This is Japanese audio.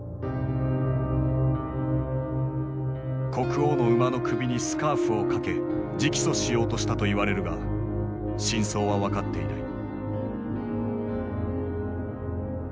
国王の馬の首にスカーフを掛け直訴しようとしたといわれるが真相は分かっていない。